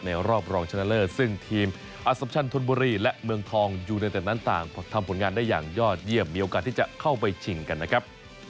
รอบรองชนะเลิศซึ่งทีมอสัมชันธนบุรีและเมืองทองยูเนเต็ดนั้นต่างทำผลงานได้อย่างยอดเยี่ยมมีโอกาสที่จะเข้าไปชิงกันนะครับ